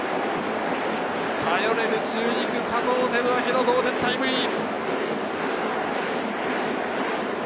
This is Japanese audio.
頼れる中軸、佐藤輝明の同点タイムリー。